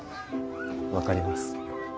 分かります。